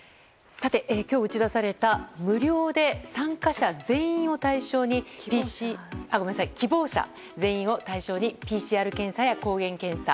今日、打ち出された無料で希望者全員を対象にＰＣＲ検査や抗原検査。